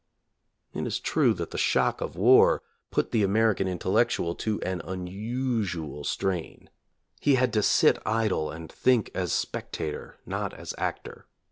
It is true that the shock of war put the American intellectual to an unusual strain. He had to sit idle and think as spectator not as actor.